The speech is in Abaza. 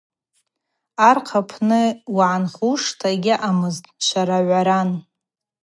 Архъа апны угӏанхушта йгьаъамызтӏ, шварагӏваран.